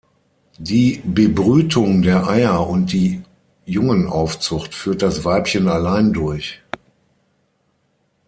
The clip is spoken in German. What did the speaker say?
Die Bebrütung der Eier und die Jungenaufzucht führt das Weibchen allein durch.